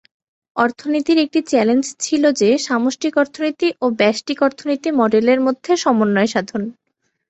অর্থনীতির একটি চ্যালেঞ্জ ছিল যে সামষ্টিক অর্থনীতি ও ব্যষ্টিক অর্থনীতি মডেলের মধ্যে সমন্বয় সাধন।